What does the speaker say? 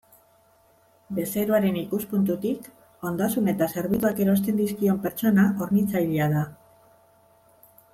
Bezeroaren ikuspuntutik, ondasun eta zerbitzuak erosten dizkion pertsona hornitzailea da.